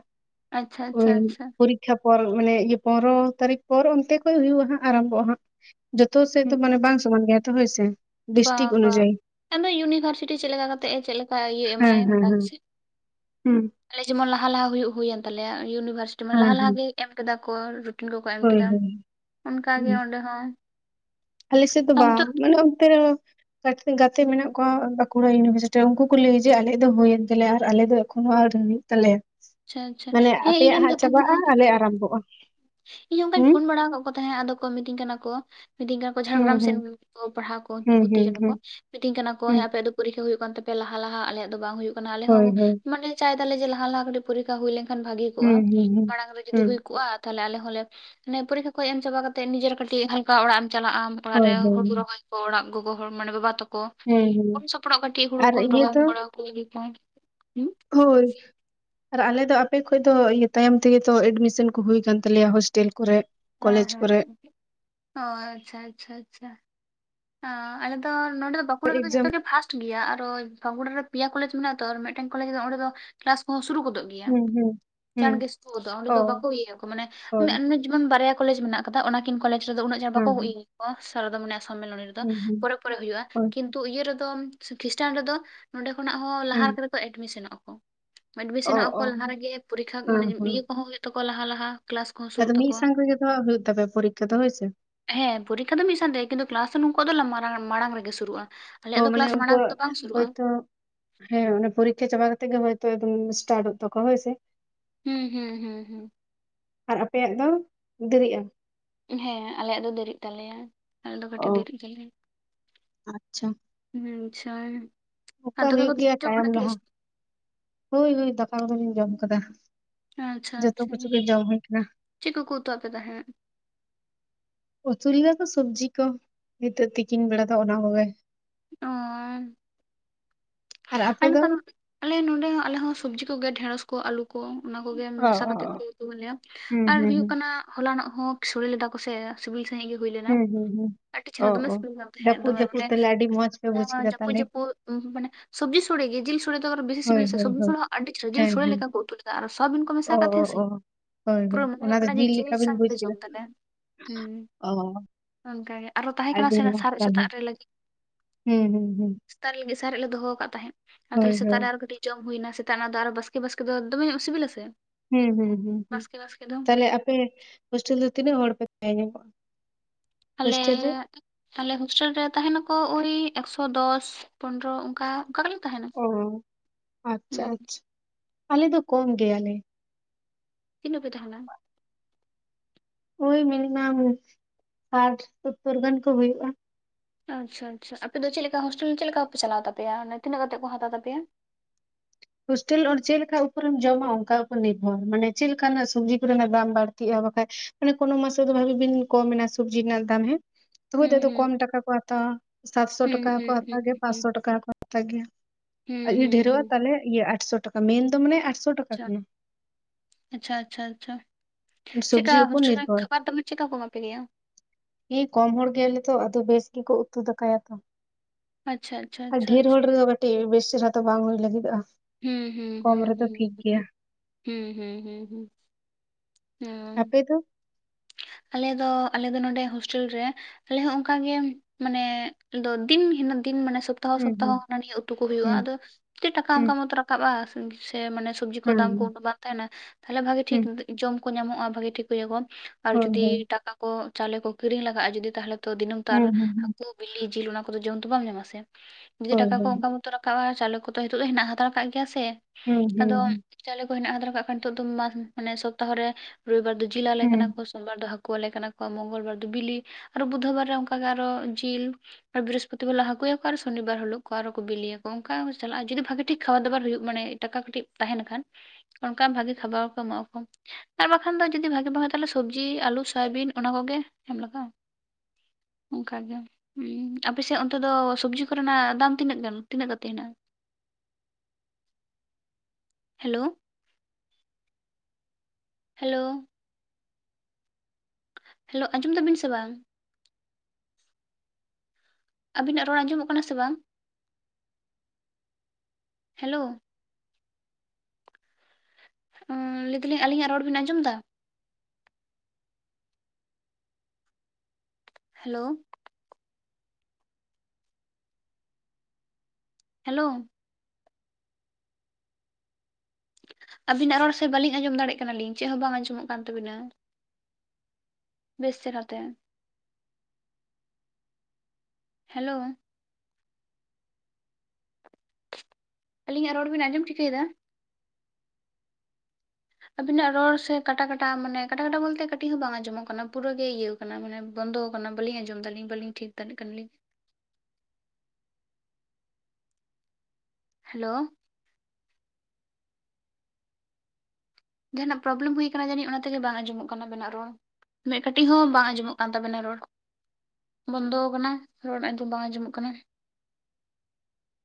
ᱟᱪᱪᱷᱟ ᱟᱪᱪᱷᱟ ᱦᱳᱭ ᱟᱪᱪᱷᱟ ᱯᱚᱨᱤᱠᱼᱼ ᱠᱠᱷᱟ ᱯᱚᱨ ᱢᱟᱱᱮ ᱤᱭᱟᱹ ᱯᱚᱱᱨᱚ ᱛᱟᱹᱨᱤᱠᱷ ᱯᱚᱨ ᱚᱱᱛᱮ ᱠᱷᱚᱡ ᱦᱩᱭᱩᱜᱼᱟ ᱦᱟᱸᱜ ᱟᱨᱟᱢᱵᱷᱚᱜᱼᱟ ᱦᱟᱸᱜ ᱡᱚᱛᱚ ᱥᱮᱫ ᱫᱚ ᱢᱟᱱᱮ ᱵᱟᱝ ᱥᱚᱢᱟᱱ ᱜᱮᱭᱟ ᱛᱚ ᱦᱳᱭᱥᱮ ᱵᱟᱝ ᱵᱟᱝ ᱟᱫᱚ ᱤᱭᱩᱱᱤᱵᱷᱟᱨᱥᱤᱴᱤ ᱪᱮᱫ ᱞᱮᱠᱟ ᱠᱟᱛᱮᱜ ᱪᱮᱫ ᱞᱮᱠᱟ ᱤᱭ ᱦᱮᱸ ᱮᱢᱟᱭ ᱦᱮᱸ ᱦᱮᱸ [unintelligible] ᱦᱩᱸ ᱟᱞᱮ ᱡᱮᱢᱚᱱ ᱞᱟᱦᱟ ᱞᱟᱦᱟ ᱦᱩᱭᱩᱜ ᱦᱩᱭᱮᱱ ᱛᱟᱞᱮᱭᱟ ᱤᱭᱩᱱᱤᱵᱷᱟᱨᱥᱤᱴᱤ ᱢᱮ ᱦᱮᱸ ᱞᱟᱦᱟ ᱞᱟᱦᱟ ᱦᱮᱸ ᱜᱮ ᱮᱢ ᱠᱮᱫᱟ ᱠᱚ ᱱᱚᱴᱤᱥ ᱠᱚ ᱮᱢ ᱦᱳᱭ ᱠᱮᱫᱟ ᱦᱳᱭ ᱚᱱᱠᱟ ᱜᱮ ᱦᱩᱸ ᱚᱸᱰᱮ ᱦᱚᱸ ᱟᱞᱮ ᱥᱮᱫ ᱫᱚ ᱟᱨ ᱵᱟᱝ ᱱᱤᱛᱚᱜ ᱢᱟᱱᱮ ᱚᱱᱛᱮ ᱨᱮ ᱜᱟᱛᱮ ᱜᱟᱛᱮ ᱢᱮᱱᱟᱜ ᱠᱚᱣᱟ ᱵᱟᱸᱠᱩᱲᱟ ᱤᱭᱩᱱᱤᱵᱷᱟᱨᱥᱤᱴᱤ ᱩᱱᱠᱩ ᱠᱚ ᱞᱟᱹᱭ ᱡᱮ ᱟᱞᱮ ᱫᱚ ᱦᱩᱭᱮᱱ ᱛᱟᱞᱮᱭᱟ ᱟᱨ ᱟᱞᱮ ᱫᱚ ᱮᱠᱷᱚᱱᱳ ᱟᱣᱨᱤ ᱦᱩᱭᱩᱜ ᱛᱟᱞᱮᱭᱟ ᱟᱪᱪᱷᱟ ᱟᱪᱪᱷᱟ ᱢᱟᱱᱮ ᱦᱮᱸ ᱤᱧ ᱟᱯᱮᱭᱟᱜ ᱨᱮᱱ ᱦᱟᱸᱜ ᱜᱟᱛᱮ ᱠᱚ ᱪᱟᱵᱟᱜᱼᱟ ᱛᱟᱦᱮᱸ ᱟᱞᱮᱭᱟᱜ ᱟᱨᱟᱢᱵᱚᱜᱼᱟ ᱤᱧ ᱦᱚᱸ ᱚᱱᱠᱟᱧ ᱯᱷᱳᱱ ᱵᱟᱲᱟ ᱟᱠᱟᱫ ᱠᱚ ᱛᱟᱦᱮᱸᱫ ᱟᱫᱚ ᱠᱚ ᱢᱤᱛᱤᱧ ᱠᱟᱱᱟ ᱠᱚ ᱢᱤᱛᱟᱹᱧ ᱠᱟᱱᱟ ᱦᱩᱸ ᱡᱷᱟᱲᱜᱨᱟᱢ ᱥᱮᱱ ᱦᱩᱸ ᱯᱟᱲᱦᱟᱣ ᱠᱚ ᱦᱩᱸ ᱵᱷᱩᱨᱛᱤ ᱦᱩᱸ ᱠᱟᱱᱟ ᱠᱚ ᱦᱩᱸ ᱢᱤᱛᱟᱹᱧ ᱠᱟᱱᱟ ᱠᱚ ᱦᱩᱸ ᱦᱮᱸ ᱟᱯᱮᱭᱟᱜ ᱫᱚ ᱼᱼ ᱯᱚᱨᱤᱠᱠᱷᱟ ᱦᱩᱭᱩᱜ ᱠᱟᱱ ᱛᱟᱯᱮᱭᱟ ᱞᱟᱦᱟ ᱞᱟᱦᱟ ᱟᱞᱮᱭᱟᱜ ᱫᱚ ᱵᱟᱝ ᱦᱩᱭᱩᱜ ᱠᱟᱱᱟ ᱟᱞᱮ ᱦᱚᱸ ᱦᱳᱭ ᱦᱳᱭ, ᱢᱟᱱᱮ ᱪᱟᱭ ᱫᱟᱞᱮ ᱡᱮ ᱞᱟᱦᱟ ᱞᱟᱦᱟ ᱠᱟᱹᱴᱤᱡ ᱯᱚᱨᱤᱠᱷᱟ ᱦᱩᱭ ᱞᱮᱱ ᱠᱷᱟᱱ ᱵᱷᱟᱹᱜᱤ ᱠᱚᱜᱼᱟ ᱦᱩᱸ ᱦᱩᱸ ᱦᱩᱸ᱾ ᱢᱟᱲᱟᱝ ᱨᱮ ᱡᱩᱫᱤ ᱦᱩᱸ᱾ ᱦᱩᱭ ᱠᱚᱜᱼᱟ ᱛᱟᱦᱚᱞᱮ ᱟᱞᱮ ᱦᱚᱸᱞᱮ ᱢᱟᱱᱮ ᱯᱚᱨᱤᱠᱠᱷᱟ ᱠᱚ ᱮᱢ ᱪᱟᱵᱟ ᱠᱟᱛᱮᱜ ᱱᱤᱡᱮᱨ ᱠᱟᱹᱴᱤᱡ ᱦᱟᱞᱠᱟ ᱚᱲᱟᱜ ᱮᱢ ᱪᱟᱞᱟᱜ ᱟᱢ ᱚᱲᱟᱜ ᱦᱳᱭ ᱨᱮ ᱦᱳᱭ, ᱦᱩᱲᱩ ᱨᱚᱦᱚᱭ ᱠᱚ ᱚᱲᱟᱜ ᱜᱚᱜᱚ ᱦᱚᱲ ᱢᱟᱱᱮ ᱵᱟᱵᱟ ᱛᱟᱠᱚ ᱦᱩᱸ ᱦᱩᱸ ᱟᱨ ᱤᱭᱟᱹ ᱫᱚ [unintelligible] ᱦᱳᱭ ᱟᱨ ᱟᱞᱮ ᱫᱚ ᱟᱯᱮ ᱠᱷᱚᱱ ᱫᱚ ᱤᱭᱟᱹ ᱛᱟᱭᱚᱢ ᱛᱮᱜᱮ ᱛᱚ ᱮᱰᱢᱤᱥᱚᱱ ᱠᱚ ᱦᱩᱭ ᱟᱠᱟᱱ ᱛᱟᱞᱮᱭᱟ ᱦᱚᱥᱴᱮᱞ ᱠᱚᱨᱮ ᱦᱮᱸ ᱠᱚᱞᱮᱡᱽ ᱠᱚᱨᱮᱜᱼᱼ ᱦᱮᱸ ᱚ ᱟᱪᱪᱷᱟ ᱟᱪᱪᱷᱟ ᱟᱪᱪᱷᱟ ᱚ ᱟᱞᱮ ᱫᱚ ᱱᱚᱰᱮ ᱫᱚ ᱵᱟᱸᱠᱩᱲᱟ ᱨᱮᱫᱚ ᱮᱠᱡᱟᱢ ᱡᱚᱛᱚ ᱜᱮ ᱯᱷᱟᱥᱴ ᱜᱮᱭᱟ ᱟᱨᱚ ᱵᱟᱸᱠᱩᱲᱟ ᱨᱮ ᱯᱮᱭᱟ ᱠᱚᱞᱮᱡᱽ ᱢᱮᱱᱟᱜ ᱛᱚ ᱟᱨ ᱢᱤᱫᱴᱮᱱ ᱠᱚᱞᱮᱡᱽ ᱨᱮ ᱚᱸᱰᱮ ᱫᱚ ᱠᱞᱟᱥ ᱠᱚᱦᱚᱸ ᱥᱩᱨᱩ ᱜᱚᱫᱚᱜ ᱜᱮᱭᱟ ᱦᱩᱸ ᱦᱩᱸ [unintelligible] ᱦᱩᱸ ᱪᱟᱸᱬ ᱜᱮ ᱥᱩᱨᱩ ᱜᱚᱫᱚᱜ ᱚᱸᱰᱮ ᱚ ᱫᱚ ᱵᱟᱠᱚ ᱤᱭᱟᱹᱭᱟ ᱟᱠᱚ ᱢᱟᱱᱮ ᱦᱳᱭ [unintelligible] ᱡᱮᱢᱚᱱ ᱵᱟᱨᱭᱟ ᱠᱚᱞᱮᱡᱽ ᱢᱮᱱᱟᱜ ᱠᱚᱣᱟ ᱫᱟ ᱚᱱᱟ ᱠᱤᱱ ᱠᱚᱞᱮᱡᱽ ᱨᱮᱫᱚ ᱩᱱᱟᱹᱜ [unintelligible] ᱦᱮᱸ ᱵᱟᱠᱚ ᱦᱮᱸ ᱤᱭᱟᱹ ᱠᱚᱣᱟ ᱥᱟᱨᱚᱫᱟ [unintelligible] ᱥᱚᱢᱢᱮᱞᱚᱱ ᱨᱮᱫᱚ ᱦᱩᱸ ᱦᱩᱸ ᱯᱚᱨᱮ ᱯᱚᱨᱮ ᱦᱩᱭᱩᱜᱼᱟ ᱦᱳᱭ ᱠᱤᱱ ᱛᱚ ᱤᱭᱟᱹ ᱨᱮᱫᱚ ᱠᱷᱤᱥᱴᱟᱱ ᱨᱮᱫᱚ ᱱᱚᱸᱰᱮ ᱠᱷᱚᱱᱟᱜ ᱦᱚᱸ ᱞᱟᱦᱟ ᱦᱩᱸ ᱠᱟᱛᱮᱫ ᱠᱚ ᱮᱰᱢᱤᱥᱚᱱᱚᱜᱼᱟᱠᱚ ᱚ ᱮᱰᱢᱤᱥᱚᱱᱚᱜ ᱟᱠᱚ ᱚ ᱞᱟᱦᱟ ᱨᱮᱜᱮ ᱯᱚᱨᱤᱠᱠᱷᱟ ᱦᱮᱸ ᱢᱟᱱᱮ ᱦᱮᱸ ᱤᱭᱟᱹ ᱠᱚᱦᱚᱸ ᱦᱩᱭᱩᱜ ᱛᱟᱠᱚᱣᱟ ᱞᱟᱦᱟ ᱞᱟᱦᱟ ᱾ ᱟᱫᱚ ᱢᱤᱫ ᱥᱟᱝᱨᱮᱜᱮ ᱫᱚ ᱦᱟᱜᱦᱩᱭᱩᱜ ᱛᱟᱯᱮᱭᱟ ᱯᱚᱨᱤᱠᱠᱷᱟ ᱫᱚ ᱦᱳᱭᱥᱮ ᱾ ᱦᱮᱸ ᱯᱚᱨᱤᱠᱠᱷᱟ ᱫᱚ ᱢᱤᱫ ᱥᱟᱣᱛᱮ ᱠᱤᱱᱛᱩ ᱠᱞᱟᱥ ᱫᱚ ᱱᱩᱠᱩᱣᱟᱜ ᱫᱚ ᱢᱟᱲᱟᱝ ᱨᱮᱜᱮᱥᱩᱨᱩᱜᱼᱟ ᱾ ᱦᱚᱸ ᱢᱟᱱᱮ ᱩᱱᱠᱩᱣᱟᱜ ᱦᱳᱭᱛᱳ ᱦᱮᱸ ᱮ ᱯᱚᱨᱤᱠᱠᱷᱟ ᱪᱟᱵᱟ ᱠᱟᱛᱮᱜ ᱜᱮ ᱦᱚᱭᱛᱳ ᱮᱠᱫᱚᱢ ᱥᱴᱟᱨᱴᱚᱜ ᱛᱟᱠᱚ ᱦᱳᱭᱥᱮ ᱾ ᱦᱩᱸ ᱦᱩᱸ ᱦᱩᱸ ᱦᱩᱸ ᱾ ᱟᱨ ᱟᱯᱮᱭᱟᱜ ᱫᱚ ᱫᱮᱨᱤᱜᱼᱟ? ᱦᱮᱸ ᱟᱞᱮᱭᱟᱜ ᱫᱚ ᱫᱮᱨᱤᱜ ᱛᱟᱞᱮᱭᱟ ᱟᱞᱮ ᱫᱚ ᱚ ᱠᱟᱹᱴᱤᱡ ᱫᱮᱨᱤᱜ ᱛᱟᱞᱮᱭᱟ ᱾ [unintelligible] ᱟᱪᱪᱷᱟ ᱚᱠᱟ ᱦᱩᱭᱩᱜ ᱜᱮᱭᱟ ᱛᱟᱭᱚᱢ ᱞᱟᱦᱟ ᱾ ᱦᱳᱭ ᱦᱳᱭ ᱫᱟᱠᱟ ᱫᱚᱞᱤᱧ ᱡᱚᱢ ᱠᱟᱫᱟ ᱟᱪᱪᱷᱟ ᱡᱚᱛᱚ ᱟᱪᱪᱷᱟ ᱠᱤᱪᱷᱩ ᱜᱮ ᱡᱚᱢ ᱦᱩᱭ ᱠᱟᱱᱟ ᱾ ᱪᱮᱫ ᱠᱚᱠᱚ ᱩᱛᱩᱣᱟᱯᱮ ᱛᱟᱦᱮᱸᱫ? ᱩᱛᱩ ᱞᱮᱫᱟ ᱠᱚ ᱥᱚᱵᱽᱡᱤ ᱠᱚ ᱱᱤᱛᱚᱜ ᱛᱤᱠᱤᱱ ᱵᱮᱲᱟ ᱫᱚ ᱚᱱᱟ ᱠᱚᱜᱮ ᱾ ᱚᱸ ᱾ ᱟᱨ ᱟᱯᱮ ᱫᱚ ᱟᱨᱠᱷᱟᱱ ᱟᱞᱮ ᱱᱚᱸᱰᱮ ᱟᱞᱮ ᱦᱚᱸ ᱥᱚᱵᱽᱡᱤ ᱠᱚᱜᱮ ᱰᱷᱮᱸᱲᱚᱥ ᱠᱚ ᱟᱞᱩ ᱠᱚ ᱠᱚ ᱚᱱᱟ ᱠᱚᱜᱮ ᱚ ᱢᱮᱥᱟ ᱚ ᱠᱟᱛᱮ ᱚ ᱠᱚ ᱩᱛᱩ ᱞᱮᱫᱟ ᱦᱩᱸ ᱟᱨ ᱦᱩᱸ ᱦᱩᱭᱩᱜ ᱦᱩᱸ ᱠᱟᱱᱟ ᱦᱚᱞᱟᱟᱱᱚᱜ ᱦᱚᱸ ᱥᱚᱲᱮ ᱞᱮᱫᱟ ᱠᱚ ᱥᱮ ᱥᱤᱵᱤᱞ ᱥᱟᱦᱤᱡ ᱦᱩᱭ ᱞᱮᱱᱟ ᱦᱩᱸ ᱦᱩᱸ ᱦᱩᱸ ᱟᱹᱰᱤ ᱚ ᱪᱮᱦᱨᱟ ᱫᱚᱢᱮ ᱚ ᱥᱤᱵᱤᱞ ᱠᱟᱱ ᱛᱟᱦᱮᱸᱫ ᱡᱟᱹᱯᱩᱫ ᱫᱚᱢᱮ ᱡᱟᱹᱯᱩᱫ ᱢᱟᱱᱮ ᱛᱟᱦᱞᱮ ᱟᱹᱰᱤ ᱢᱚᱸᱡᱽ ᱯᱮ ᱵᱩᱡ ᱠᱮᱫᱟ ᱡᱟᱹᱯᱩᱫ ᱛᱟᱦᱞᱮ ᱡᱟᱹᱯᱩᱫ ᱢᱟᱱᱮ ᱥᱚᱵᱽᱡᱤ ᱥᱚᱲᱮ ᱜᱮ ᱡᱤᱞ ᱥᱩ ᱥᱩᱲᱤ ᱫᱚ ᱵᱮᱥᱤ ᱦᱳᱭ ᱥᱤᱵᱤᱞ ᱟᱥᱮ ᱦᱳᱭ ᱥᱚᱵᱽᱡᱤ ᱦᱳᱭ ᱥᱳᱲᱮ ᱦᱚᱸ ᱟᱹᱰᱤ ᱥᱤᱵᱤᱞ ᱟ ᱡᱤᱞ ᱦᱮᱸ ᱥᱳᱲᱮ ᱦᱮᱸ ᱞᱮᱠᱟ ᱠᱚ ᱩᱛᱩ ᱞᱮᱫᱟ ᱟᱨ ᱥᱚᱣᱟᱵᱤᱱ ᱠᱚ ᱚ ᱢᱮᱥᱟ ᱠᱟᱜ ᱚ ᱛᱟᱦᱮᱸᱜ ᱟᱥᱮ ᱚ ᱾ ᱦᱳᱭ ᱦᱳᱭ ᱯᱩᱨᱟᱹ ᱢᱚᱱᱮ ᱚᱱᱟ ᱦᱩᱭᱩᱜ ᱫᱚ ᱠᱟᱱᱟ ᱡᱮ ᱡᱤᱞ ᱡᱮᱞ ᱞᱮᱠᱟ ᱵᱤᱱ ᱥᱟᱣ ᱵᱩᱡ ᱛᱮ ᱡᱚᱢ ᱠᱮᱫᱟ ᱫᱟᱞᱮ ᱾ ᱦᱩᱸ ᱚ ᱚᱱᱠᱟᱜᱮ ᱟᱨᱚ ᱛᱟᱦᱮᱸ ᱠᱟᱱᱟ ᱟᱹᱰᱤ ᱢᱚᱸᱡᱽ ᱥᱟᱨᱮᱡ ᱛᱟᱦᱞᱮ ᱥᱮᱛᱟᱜ ᱨᱮ ᱟᱞᱮ ᱞᱟᱹᱜᱤᱫ ᱾ ᱦᱩᱸ ᱦᱩᱸ ᱦᱩᱸ ᱾ ᱥᱮᱛᱟᱜ ᱞᱟᱹᱜᱤᱫ ᱥᱟᱨᱮᱡ ᱞᱮ ᱫᱚᱦᱚ ᱟᱠᱟᱫ ᱛᱟᱦᱮᱸᱫ ᱟᱨ ᱛᱟᱦᱚᱞᱮ ᱥᱮᱛᱟᱜ ᱦᱳᱭ ᱨᱮ ᱟᱨ ᱠᱟᱹᱴᱤᱡ ᱡᱚᱢ ᱦᱩᱭᱱᱟ ᱥᱮᱛᱟᱜ ᱚᱱᱟ ᱫᱚ ᱟᱨᱚ ᱵᱟᱥᱠᱮ ᱵᱟᱥᱠᱮ ᱫᱚᱢᱮ ᱥᱤᱵᱤᱞᱟ ᱥᱮ ᱾ ᱦᱩᱸ ᱦᱩᱸ ᱦᱩᱸ ᱦᱩᱸ ᱛᱟᱦᱞᱮ ᱟᱯᱮ ᱦᱳᱥᱴᱮᱞ ᱨᱮ ᱛᱤᱱᱟᱹᱜ ᱦᱚᱲ ᱯᱮ ᱛᱟᱦᱮᱸ ᱧᱟᱢᱚᱜᱼᱟ ᱾ ᱟᱞᱮ ᱟᱞᱮ ᱦᱚᱥᱴᱮᱞ ᱨᱮ ᱛᱟᱦᱮᱱᱟᱠᱚ ᱳᱭ ᱮᱠᱥᱚ ᱫᱚᱥ ᱯᱚᱱᱨᱚ ᱚᱱᱠᱟ᱾ ᱚᱱᱠᱟ ᱜᱮᱞᱮ ᱛᱟᱦᱮᱱᱟ ᱾ ᱚ ᱟᱪᱪᱷᱟ ᱟᱪᱪᱷᱟ ᱟᱞᱮ ᱫᱚ ᱠᱚᱢ ᱜᱮᱭᱟᱞᱮ ᱾ ᱛᱤᱱᱟᱹᱜ ᱯᱮ ᱛᱟᱦᱮᱱᱟ? ᱳᱭ ᱢᱤᱱᱤᱢᱟᱢ ᱥᱟᱴ ᱥᱳᱛᱛᱚᱨ ᱜᱟᱱ ᱠᱚ ᱦᱩᱭᱩᱜᱼᱟ ᱾ ᱟᱪᱪᱷᱟ ᱟᱪᱷᱟ ᱟᱯᱮ ᱫᱚ ᱪᱮᱫ ᱞᱮᱠᱟ ᱦᱚᱥᱴᱮᱞ ᱪᱮᱫ ᱞᱮᱠᱟ ᱯᱮ ᱪᱟᱞᱟᱣ ᱛᱟᱯᱮᱭᱟ ᱛᱤᱱᱟᱹᱜ ᱠᱟᱛᱮᱫ ᱠᱚ ᱦᱟᱛᱟᱣ ᱛᱟᱯᱮᱭᱟ? ᱦᱳᱥᱴᱮᱞ ᱟᱨ ᱪᱮᱫ ᱞᱮᱠᱟ ᱩᱯᱚᱨᱮᱢ ᱡᱚᱢᱟ ᱚᱱᱠᱟ ᱩᱯᱚᱨ ᱱᱤᱨᱵᱷᱚᱨ ᱢᱟᱱᱮ ᱪᱮᱫ ᱞᱮᱠᱟᱱᱟᱜ ᱥᱚᱵᱽᱡᱤ ᱠᱚᱨᱮᱱᱟᱜ ᱫᱟᱢ ᱵᱟᱲ ᱵᱟᱲᱛᱤ ᱵᱟᱠᱷᱟᱡ ᱢᱟᱱᱮ ᱠᱚᱱᱳ ᱢᱟᱥ ᱨᱮ ᱫᱚ ᱵᱷᱟᱜᱮ ᱵᱤᱱ ᱠᱚᱢᱱᱟ ᱥᱚᱵᱽᱡᱤ ᱨᱮᱱᱟᱜ ᱫᱟᱢ ᱦᱮᱸ ᱦᱩᱭ ᱦᱩᱸ ᱟᱫᱫᱚ ᱦᱩᱸ ᱠᱚᱢ ᱴᱟᱠᱟ ᱠᱚ ᱦᱟᱛᱟᱣᱟ ᱥᱟᱛᱥᱚ ᱦᱩᱸ ᱴᱟᱠᱟ ᱠᱚ ᱦᱩᱸ ᱦᱟᱛᱟᱣ ᱜᱮᱭᱟ ᱦᱩᱸ ᱦᱩᱸ ᱯᱟᱸᱥᱥᱚ ᱴᱟᱠᱟ ᱠᱚ ᱦᱟᱛᱟᱣ ᱜᱮᱭᱟ ᱾ ᱟᱨ ᱦᱩᱸ ᱤᱧ ᱦᱩᱸ ᱰᱷᱮᱨᱚᱜᱼᱟ ᱦᱩᱸ ᱛᱟᱦᱚᱞᱮ ᱤᱭᱟᱹ ᱟᱴᱥᱚ ᱴᱟᱠᱟ ᱢᱮᱱᱫᱚ ᱢᱟᱱᱮ ᱟᱴᱥᱚ ᱴᱟᱠᱟ ᱟᱪᱪᱷᱟ ᱠᱟᱱᱟ ᱟᱪᱪᱷᱟ ᱟᱪᱪᱷᱟ ᱟᱪᱪᱷᱟ ᱾ ᱪᱮᱫᱠᱟ ᱥᱚᱵᱽᱡᱤ ᱩᱯᱚᱨ ᱦᱳᱥᱴᱮᱞ ᱨᱮ ᱱᱤᱨᱵᱷᱚᱨ ᱠᱷᱟᱵᱟᱨ ᱫᱟᱵᱟᱨ ᱫᱚ ᱪᱮᱫᱠᱟ ᱠᱚ ᱮᱢᱟ ᱯᱮ ᱜᱮᱭᱟ? ᱦᱮ ᱠᱚᱢ ᱦᱚᱲ ᱜᱮᱭᱟᱞᱮ ᱛᱚ ᱟᱫᱚ ᱵᱮᱥ ᱜᱮᱠᱚ ᱩᱛᱩ ᱫᱟᱠᱟᱭᱟᱛᱚ ᱟᱪᱪᱷᱟ ᱟᱪᱪᱷᱟ ᱾ ᱟᱨ ᱟᱪᱪᱷᱟ ᱰᱷᱮᱨ ᱦᱚᱲ ᱟᱪᱪᱷᱟ ᱨᱮᱫᱚ ᱠᱟᱹᱴᱤᱡ ᱵᱮᱥ ᱪᱮᱨᱦᱟ ᱛᱚ ᱵᱟᱝ ᱦᱩᱭ ᱞᱟᱹᱜᱤᱫᱚᱜᱼᱟ ᱾ ᱦᱩᱸ ᱦᱩᱸ ᱦᱩᱸ ᱦᱩᱸ ᱦᱩᱸ ᱦᱩᱸ ᱦᱩᱸ ᱦᱩᱸ ᱾ ᱦᱩᱸ ᱾ ᱟᱯᱮ ᱫᱚ? ᱟᱞᱮ ᱫᱚ ᱟᱞᱮ ᱫᱚ ᱱᱚᱰᱮ ᱦᱳᱥᱴᱮᱞ ᱨᱮ ᱟᱞᱮ ᱦᱚᱸ ᱚᱱᱠᱟᱜᱮ ᱢᱟᱱᱮ ᱫᱚ ᱫᱤᱱ ᱦᱮᱱᱟ ᱫᱤᱱ ᱢᱟᱱᱮ ᱥᱟᱯ ᱛᱟᱣ ᱥᱚᱯᱛᱟᱦᱚ ᱦᱩᱸ ᱥᱚᱯᱛᱟᱦᱚ ᱦᱩᱸ ᱦᱟᱱᱟ ᱱᱤᱭᱟᱹ ᱩᱛᱩ ᱠᱚ ᱦᱩᱭᱩᱜᱼᱟ ᱦᱩᱸ ᱟᱫᱚ ᱪᱮᱫ ᱴᱟᱠᱟ ᱚᱱᱠᱟ ᱦᱩᱸ ᱢᱚᱛᱚ ᱨᱟᱠᱟᱵᱟ ᱥᱮ ᱢᱟᱱᱮ ᱥᱚᱵᱡᱤ ᱠᱚ ᱦᱩᱸ ᱫᱟᱢ ᱠᱚ ᱩᱱᱟᱹᱜ ᱵᱟᱝ ᱛᱟᱦᱮᱸᱱᱟ ᱛᱟᱦᱞᱮ ᱵᱷᱟᱜᱤ ᱦᱩᱸ ᱴᱷᱤᱠ ᱦᱩᱸ ᱡᱚᱢ ᱠᱚ ᱧᱟᱢᱚᱜᱼᱟ ᱵᱷᱟᱜᱤ ᱴᱷᱤᱠ ᱦᱩᱭᱩᱜ ᱡᱚᱠᱷᱚᱱ ᱟᱨ ᱦᱳᱭ ᱡᱩᱫᱤ ᱦᱳᱭ ᱴᱟᱠᱟ ᱠᱚ ᱪᱟᱣᱞᱮ ᱠᱚ ᱠᱤᱨᱤᱧ ᱞᱟᱜᱟᱜᱼᱟ ᱡᱩᱫᱤ ᱛᱟᱦᱚᱞᱮ ᱛᱚ ᱫᱤᱱᱟᱹᱢ ᱛᱟᱨ ᱦᱩᱸ ᱟᱨ ᱦᱩᱸ ᱦᱩᱸ ᱦᱟᱠᱩ ᱵᱤᱞᱤ ᱡᱤᱞ ᱚᱱᱟ ᱠᱚᱫᱚ ᱡᱚᱢᱛᱚ ᱵᱟᱢ ᱧᱟᱢᱟ ᱥᱮ ᱡᱩᱫᱤ ᱦᱳᱭ ᱴᱟᱠᱟ ᱠᱚ ᱦᱳᱭ ᱚᱝᱠᱟ ᱩᱛᱩ ᱨᱟᱠᱟᱵᱼᱟ ᱪᱟᱣᱞᱮ ᱠᱚᱫᱚ ᱱᱤᱛᱚᱜ ᱫᱚ ᱦᱮᱸᱱᱟᱜ ᱦᱟᱛᱟᱲ ᱠᱟᱜ ᱜᱮᱭᱟ ᱥᱮ ᱦᱩᱸ ᱦᱩᱸ ᱟᱫᱚ ᱦᱩᱸ ᱪᱟᱣᱞᱮ ᱠᱚ ᱦᱮᱸᱱᱟᱜ ᱦᱟᱛᱟᱲ ᱠᱟᱜ ᱠᱷᱟᱱ ᱱᱤᱛᱚᱜ ᱫᱚ ᱢᱟ ᱢᱟᱱᱮ ᱥᱚᱯᱛᱟᱦᱚ ᱨᱮ ᱨᱚᱵᱤᱵᱟᱨ ᱫᱚ ᱡᱤᱞ ᱟᱞᱮ ᱦᱩᱸ ᱠᱟᱱᱟ ᱠᱚ ᱥᱳᱢᱵᱟᱨ ᱫᱚ ᱦᱟᱹᱠᱩ ᱟᱞᱮ ᱠᱟᱱᱟ ᱠᱚ ᱢᱚᱝᱜᱚᱞ ᱵᱟᱨ ᱫᱚ ᱵᱤᱞᱤ ᱟᱨᱚ ᱵᱩᱫᱷᱚ ᱵᱟᱨ ᱨᱮ ᱚᱱᱠᱟᱜᱮ ᱟᱨᱚ ᱡᱤᱞ ᱟᱨ ᱵᱤᱨᱚᱥᱯᱚᱛᱤ ᱵᱟᱨ ᱦᱟᱹᱠᱩᱭᱟᱠᱚ ᱟᱨ ᱥᱚᱱᱤᱵᱟᱨ ᱦᱤᱞᱳᱜ ᱟᱨᱚ ᱠᱚ ᱵᱤᱞᱤᱭᱟᱠᱚ, ᱚᱱᱠᱟ ᱜᱮ ᱪᱟᱞᱟᱜᱼᱟ ᱡᱩᱫᱤ ᱵᱷᱟᱜᱤ ᱴᱷᱤᱠ ᱠᱷᱟᱵᱟᱨ ᱫᱟᱵᱟᱨ ᱦᱩᱭᱩᱜ ᱢᱟᱱᱮ ᱴᱟᱠᱟ ᱠᱟᱹᱴᱤᱡ ᱛᱟᱦᱮᱸᱱ ᱠᱷᱟᱱ ᱚᱱᱠᱟ ᱵᱷᱟᱜᱤ ᱠᱷᱟᱵᱟᱨ ᱠᱚ ᱮᱢᱟᱜ ᱟᱠᱚ ᱟᱨ ᱵᱟᱠᱷᱟᱱ ᱫᱚ ᱡᱩᱫᱤ ᱵᱷᱟᱜᱤ ᱵᱟᱝ ᱛᱟᱦᱚᱞᱮ ᱥᱚᱵᱽᱡᱤ ᱟᱹᱞᱩ ᱥᱚᱭᱟᱵᱤᱱ ᱚᱱᱟ ᱠᱚᱜᱮ ᱮᱢ ᱞᱟᱜᱼᱟ ᱚᱝᱠᱟ ᱜᱮ᱾ ᱦᱩᱸ ᱟᱯᱮᱥᱮᱫ ᱚᱱᱛᱮ ᱫᱚ ᱥᱚᱵᱽᱡᱤ ᱠᱚᱨᱮᱱᱟᱜ ᱫᱟᱢ ᱛᱤᱱᱟᱹᱜ ᱜᱟᱱ ᱛᱤᱱᱟᱹᱜ ᱠᱟᱛᱮ ᱦᱮᱸᱱᱟᱜᱼᱟ? ᱦᱮᱞᱳ᱾ ᱦᱮᱞᱳ᱾ ᱦᱮᱞᱳ ᱟᱸᱡᱚᱢ ᱫᱟᱵᱤᱱ ᱥᱮ ᱵᱟᱝ? ᱟᱵᱤᱱᱟᱜ ᱨᱚᱲ ᱟᱸᱡᱚᱢᱚᱜ ᱠᱟᱱᱟ ᱥᱮ ᱵᱟᱝ? ᱦᱮᱞᱳ᱾ ᱩᱸ ᱞᱟᱹᱭ ᱫᱟᱞᱤᱧ ᱟᱹᱞᱤᱧᱟᱜ ᱨᱚᱲ ᱵᱤᱱ ᱟᱸᱡᱚᱢ ᱫᱟ? ᱦᱮᱞᱳ᱾ ᱦᱮᱞᱳ᱾ ᱟᱹᱵᱤᱱᱟᱜ ᱨᱚᱲ ᱥᱮ ᱵᱟᱹᱞᱤᱧ ᱟᱸᱡᱚᱢ ᱫᱟᱲᱮᱜ ᱠᱟᱱᱟᱞᱤᱧ, ᱪᱮᱫ ᱦᱚᱸ ᱵᱟᱝ ᱟᱸᱡᱚᱢᱚᱜ ᱠᱟᱱ ᱛᱟᱹᱵᱤᱱᱟ᱾ ᱵᱮᱥ ᱪᱮᱦᱨᱟᱛᱮ᱾ ᱦᱮᱞᱳ᱾ ᱟᱹᱞᱤᱧᱟᱜ ᱨᱚᱲ ᱵᱤᱱ ᱟᱸᱡᱚᱢᱴᱷᱤᱠᱟᱹᱭᱫᱟ? ᱟᱵᱤᱱᱟᱜ ᱨᱚᱲ ᱥᱮ ᱠᱟᱴᱟ ᱠᱟᱴᱟ ᱢᱟᱱᱮ ᱠᱟᱴᱟ ᱠᱟᱴᱟ ᱵᱚᱞᱛᱮ ᱠᱟᱹᱴᱤᱡ ᱦᱚᱸ ᱵᱟᱝ ᱟᱸᱡᱚᱢᱚᱜ ᱠᱟᱱᱟ ᱯᱩᱨᱟᱹᱜ ᱜᱮ ᱤᱭᱟᱸ ᱠᱟᱱᱟ ᱢᱟᱱᱮ ᱵᱚᱱᱫᱚ ᱠᱟᱱᱟ, ᱵᱟᱹᱞᱤᱧ ᱟᱸᱡᱚᱢ ᱫᱟᱞᱤᱧ ᱵᱟᱹᱞᱤᱧ ᱴᱷᱤᱠ ᱫᱟᱲᱮᱭᱟᱜ ᱠᱟᱱᱟᱞᱤᱧ᱾ ᱦᱮᱞᱳ᱾ ᱡᱟᱦᱟᱸᱱᱟᱜ ᱯᱨᱚᱵᱞᱮᱢ ᱦᱩᱭ ᱠᱟᱱᱟ ᱡᱟᱹᱱᱤᱡ ᱚᱱᱟ ᱛᱮᱜᱮ ᱵᱟᱝ ᱟᱸᱡᱚᱢᱚᱜ ᱠᱟᱱᱟ ᱟᱵᱤᱱᱟᱜ ᱨᱚᱲ᱾ ᱢᱤᱫ ᱠᱟᱹᱴᱤᱡ ᱦᱚᱸ ᱵᱟᱝ ᱟᱸᱡᱚᱢᱚᱜ ᱠᱟᱱ ᱛᱟᱵᱮᱱᱟ ᱨᱚᱲ᱾ ᱵᱚᱱᱫᱚ ᱠᱟᱱᱟ, ᱨᱚᱲ ᱟᱡᱚᱢ ᱫᱚ ᱵᱟᱝ ᱟᱸᱡᱚᱢᱚᱜ ᱠᱟᱱᱟ᱾ [inaudible]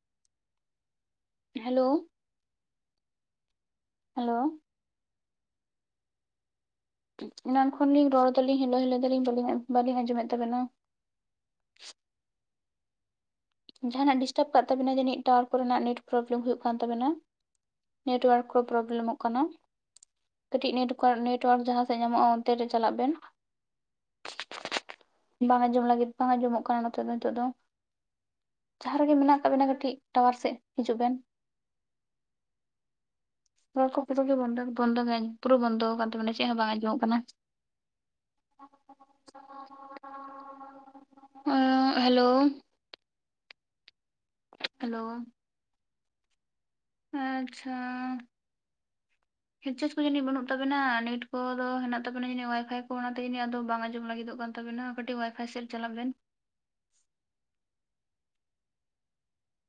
ᱦᱮᱞᱳ᱾ ᱦᱮᱞᱳ᱾ ᱮᱱᱟᱱ ᱠᱷᱚᱱ ᱞᱤᱧ ᱨᱚᱲ ᱫᱟᱞᱤᱧ ᱦᱤᱞᱳ ᱦᱤᱞᱳ ᱫᱟᱞᱤᱧ ᱵᱟᱞᱤᱧ ᱟᱸᱡᱚᱢᱮᱫ ᱛᱟᱵᱮᱱᱟ᱾ ᱡᱟᱦᱟᱸᱱᱟᱜ ᱰᱤᱥᱴᱟᱵᱽ ᱠᱟᱜ ᱛᱟᱵᱮᱱᱟᱭ ᱡᱟᱹᱱᱤᱡ ᱴᱟᱣᱟᱨ ᱠᱚᱨᱮᱱᱟᱜ ᱱᱮᱴ ᱯᱨᱚᱵᱞᱮᱢ ᱦᱩᱭᱩᱜ ᱠᱟᱱ ᱛᱟᱵᱮᱱᱟ᱾ ᱱᱮᱴᱚᱣᱟᱨᱠ ᱠᱚ ᱯᱨᱚᱵᱞᱮᱢᱚᱜ ᱠᱟᱱᱟ᱾ ᱠᱟᱹᱴᱤᱡ ᱱᱮᱴ ᱠᱚ ᱱᱮᱴᱳᱣᱟᱨᱠ ᱡᱟᱦᱟᱸᱥᱮᱫ ᱧᱟᱢᱚᱜᱼᱟ ᱚᱱᱛᱮ ᱨᱮ ᱪᱟᱞᱟᱜ ᱵᱮᱱ᱾ ᱵᱟᱝ ᱟᱸᱡᱚᱢ ᱞᱟᱹᱜᱤᱫ ᱵᱟᱝ ᱟᱸᱡᱚᱢᱚᱜ ᱠᱟᱱᱟ ᱱᱚᱛᱮ ᱫᱚ ᱱᱤᱛᱳᱜ ᱫᱚ᱾ ᱡᱟᱦᱟᱸ ᱨᱮᱜᱮ ᱢᱮᱱᱟᱜ ᱠᱟᱜ ᱵᱮᱱᱟ ᱠᱟᱹᱴᱤᱡ ᱴᱟᱣᱟᱨ ᱥᱮᱜ ᱦᱤᱡᱩᱜ ᱵᱮᱱ᱾ [inaudible] ᱨᱚᱲ ᱠᱚ ᱯᱩᱨᱟᱹ ᱜᱮ ᱵᱚᱱᱫᱚ ᱜᱮ ᱯᱩᱨᱟᱹ ᱵᱚᱱᱫᱚ ᱠᱟᱱ ᱛᱟᱵᱤᱱᱟ ᱪᱮᱫ ᱦᱚᱸ ᱵᱟᱝ ᱟᱸᱡᱚᱢᱚᱜ ᱠᱟᱱᱟ᱾ [inaudible] ᱚᱸᱜ ᱦᱮᱞᱳ᱾ ᱦᱮᱞᱳ᱾ ᱟᱪᱪᱷᱟ᱾ [unintelligible] [inaudible] ᱠᱚ ᱡᱟᱹᱱᱤᱡ ᱵᱟᱹᱱᱩᱜ ᱛᱟᱵᱮᱱᱟ ᱱᱮᱴ ᱠᱚᱫᱚ ᱦᱮᱱᱟᱜ ᱛᱟᱵᱮᱱᱟ ᱡᱟᱹᱱᱤᱡ ᱚᱣᱟᱭᱯᱷᱟᱭ ᱠᱚ ᱚᱱᱟᱛᱮ ᱡᱟᱹᱱᱤᱡ ᱟᱫᱚ ᱵᱟᱝ ᱟᱸᱡᱚᱢ ᱞᱟᱹᱜᱤᱫᱚᱜ ᱠᱟᱱ ᱛᱵᱮᱱᱟ ᱠᱟᱹᱴᱤᱡ ᱚᱣᱟᱭᱯᱷᱟᱭ ᱥᱮᱜ ᱪᱟᱞᱟᱜ ᱵᱮᱱ ᱾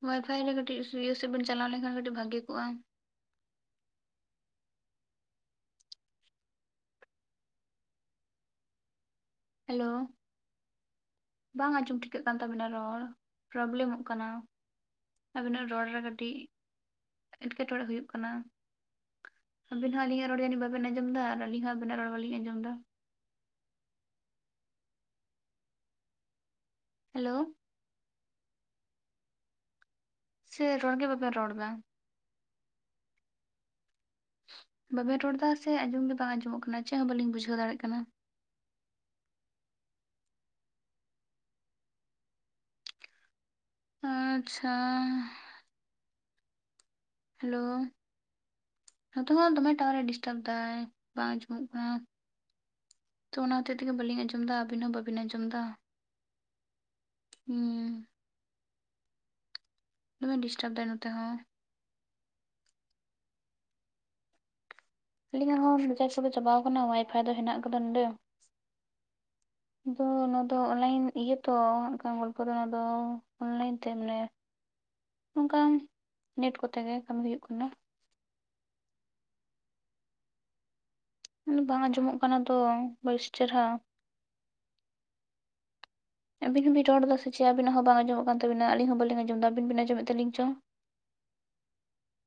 ᱚᱣᱟᱭᱯᱷᱟᱭ ᱨᱮ ᱠᱟᱹᱴᱤᱡ ᱤᱭᱟᱹ ᱥᱮᱫ ᱵᱮᱱ ᱪᱟᱞᱟᱣ ᱞᱮᱱᱠᱷᱟᱱ ᱠᱟᱹᱴᱤᱡ ᱵᱷᱟᱜᱤ ᱠᱚᱜᱼᱟ ᱾ ᱦᱮᱞᱳ ᱾ ᱵᱟᱝ ᱟᱸᱡᱚᱢ ᱴᱷᱤᱠᱟᱹᱜ ᱠᱟᱱ ᱛᱟᱵᱤᱱᱟ ᱨᱚᱲ ᱯᱨᱚᱵᱞᱮᱢᱚᱜ ᱠᱟᱱᱟ ᱾ ᱟᱵᱤᱱᱟᱜ ᱨᱚᱲ ᱨᱮ ᱠᱟᱹᱴᱤᱡ ᱮᱸᱴᱠᱮᱴᱚᱲᱮ ᱦᱩᱭᱩᱜ ᱠᱟᱱᱟ ᱾ ᱟᱵᱤᱱ ᱦᱚᱸ ᱟᱹᱞᱤᱧᱟᱜ ᱨᱚᱲ ᱡᱟᱹᱱᱤᱡ ᱵᱟᱵᱮᱱ ᱟᱸᱡᱚᱢᱫᱟ ᱟᱨ ᱟᱹᱞᱤᱧ ᱦᱚᱸ ᱟᱵᱤᱱᱟᱜ ᱨᱚᱲ ᱵᱟᱞᱤᱧ ᱟᱸᱡᱚᱢᱫᱟ ᱾ ᱦᱮᱞᱳ ᱾ ᱥᱮ ᱨᱚᱱ ᱜᱮ ᱵᱟᱵᱮᱱ ᱨᱚᱲ ᱫᱟ? ᱵᱟᱵᱮᱱ ᱨᱚᱲ ᱫᱟ ᱥᱮ ᱟᱸᱡᱚᱢ ᱜᱮ ᱵᱟᱝ ᱟᱸᱡᱚᱢᱚᱜ ᱠᱟᱱᱟ ᱪᱮᱫ ᱦᱚᱸ ᱵᱟᱹᱞᱤᱧ ᱵᱩᱡᱷᱟᱹᱣ ᱫᱟᱲᱮᱭᱟᱜ ᱠᱟᱱᱟ ᱾ ᱟᱪ-ᱪᱷᱟ ᱾ ᱦᱮᱞᱳ ᱾ ᱱᱚᱛᱮ ᱦᱚᱸ ᱫᱚᱢᱮ ᱴᱟᱣᱟᱨᱮ ᱰᱤᱥᱴᱟᱵᱽ ᱫᱟᱭ ᱵᱟᱝ ᱟᱸᱡᱚᱢᱚᱜ ᱠᱟᱱᱟ ᱾ ᱛᱚ ᱚᱱᱟ ᱦᱚᱛᱮᱡ ᱛᱮᱜᱮ ᱵᱟᱹᱞᱤᱧ ᱟᱸᱡᱚᱢ ᱫᱟ ᱟᱹᱵᱤᱱ ᱦᱚᱸ ᱵᱟᱵᱤᱱ ᱟᱸᱡᱚᱢ ᱫᱟ ᱾ ᱦᱩᱸᱻ ᱫᱚᱢᱮ ᱰᱤᱥᱴᱟᱵ ᱫᱟᱭ ᱱᱚᱛᱮ ᱦᱚᱸ ᱾ ᱟᱹᱞᱤᱧᱟᱜ ᱦᱚᱸ ᱨᱤᱪᱟᱨᱡ ᱠᱚᱫᱚ ᱪᱟᱵᱟᱣ ᱠᱟᱱᱟ ᱚᱣᱟᱭᱯᱷᱟᱭ ᱫᱚ ᱦᱮᱱᱟᱜ ᱠᱟᱫᱟ ᱱᱚᱰᱮ ᱾ [unintelligible] ᱟᱫᱚ ᱱᱚᱣᱟ ᱫᱚ ᱚᱱᱞᱟᱭᱤᱱ ᱤᱭᱟᱹ ᱛᱚ ᱦᱟᱸᱜᱠᱷᱟᱱ ᱜᱚᱞᱯᱚ ᱫᱚ ᱱᱚᱣᱟ ᱫᱚ ᱚᱱᱞᱟᱭᱤᱱ ᱛᱮ ᱢᱟᱱᱮ [unintelligible] ᱚᱱᱠᱟ ᱱᱮᱴ ᱠᱚᱛᱮ ᱜᱮ ᱠᱟᱹᱢᱤ ᱦᱩᱭᱩᱜ ᱠᱟᱱᱟ ᱾ ᱵᱟᱝ ᱟᱸᱡᱚᱢᱚᱜ ᱠᱟᱱᱟ ᱛᱚ ᱵᱮᱥ ᱪᱮᱦᱨᱟ ᱾ [unintelligible] ᱟᱵᱤᱱ ᱦᱚᱸᱵᱤᱱ ᱨᱚᱲ ᱫᱟ ᱥᱮ ᱪᱮᱫ ᱟᱵᱤᱱᱟᱜ ᱦᱚᱸ ᱵᱟᱝ ᱟᱸᱡᱚᱢᱚᱜ ᱠᱟᱱ ᱛᱟᱹᱵᱤᱱᱟ ᱟᱹᱞᱤᱧ ᱦᱚᱸ ᱵᱟᱞᱤᱧ ᱟᱸᱡᱚᱢᱫᱟ ᱟᱵᱤᱱ ᱵᱤᱱ ᱟᱸᱡᱚᱢᱮᱜ ᱛᱟᱞᱤᱧ ᱪᱚ ᱾